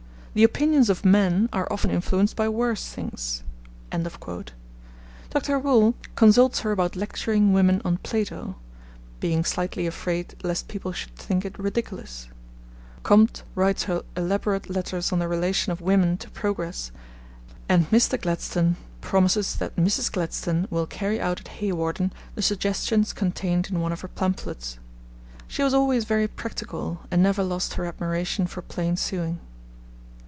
The opinions of men are often influenced by worse things.' Dr. Whewell consults her about lecturing women on Plato, being slightly afraid lest people should think it ridiculous; Comte writes her elaborate letters on the relation of women to progress; and Mr. Gladstone promises that Mrs. Gladstone will carry out at Hawarden the suggestions contained in one of her pamphlets. She was always very practical, and never lost her admiration for plain sewing.